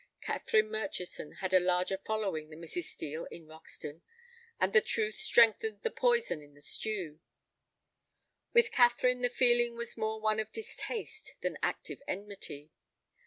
Catherine Murchison had a larger following than Mrs. Steel in Roxton, and the truth strengthened the poison in the stew. With Catherine the feeling was more one of distaste than active enmity.